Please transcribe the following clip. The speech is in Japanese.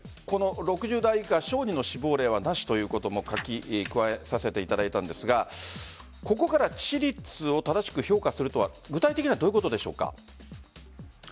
６０代以下小児の死亡例はなしと書き加えさせていただいたんですがここから致死率を正しく評価するとは具体的にはどういうことでしょうか？